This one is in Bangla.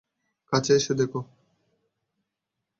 কাছে এসে দেখ!